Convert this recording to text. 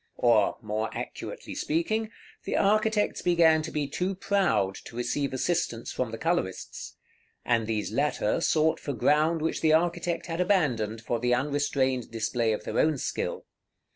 Or, more accurately speaking, the architects began to be too proud to receive assistance from the colorists; and these latter sought for ground which the architect had abandoned, for the unrestrained display of their own skill.